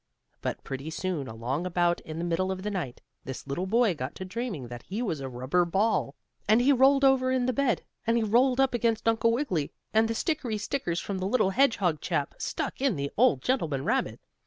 But pretty soon, along about in the middle of the night, this little boy got to dreaming that he was a rubber ball. And he rolled over in the bed, and he rolled up against Uncle Wiggily, and the stickery stickers from the little hedgehog chap stuck in the old gentleman rabbit.